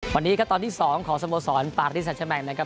วันนี้ครับตอนที่๒ของสโมสรปาริสัชแมงนะครับ